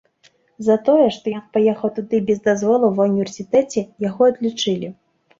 За тое, што ён паехаў туды без дазволу ва ўніверсітэце, яго адлічылі.